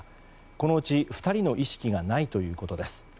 このうち２人の意識がないということです。